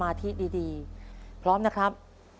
ถ้าพร้อมแล้วผมเชิญพี่แมวมาต่อชีวิตเป็นคนแรกครับ